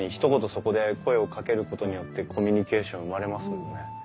そこで声をかけることによってコミュニケーション生まれますもんね。